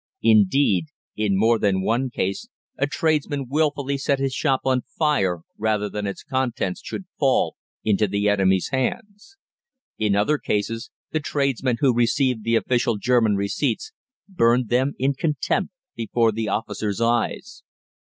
Indeed, in more than one case a tradesman wilfully set his shop on fire rather than its contents should fall into the enemy's hands. In other cases the tradesmen who received the official German receipts burned them in contempt before the officer's eyes.